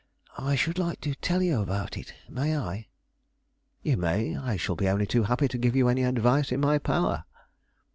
I should like to tell you about it; may I?" "You may; I shall be only too happy to give you any advice in my power."